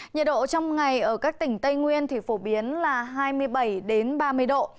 nhiệt độ trong ngày ở các tỉnh tây nguyên thì phổ biến là hai mươi bảy ba mươi độ